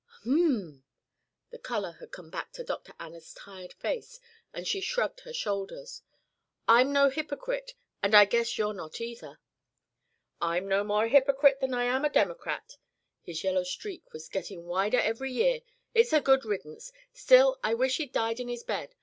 "H'm!" The color had come back to Dr. Anna's tired face and she shrugged her shoulders. "I'm no hypocrite, and I guess you're not either." "I'm no more a hypocrite than I am a Democrat. His yellow streak was gettin' wider every year. It's good riddance. Still I wish he'd died in his bed.